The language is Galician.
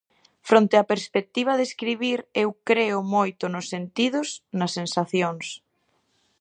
Fronte á perspectiva de escribir eu creo moito nos sentidos, nas sensacións.